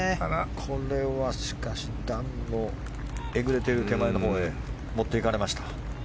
これは段のえぐれている手前のほうに持っていかれました。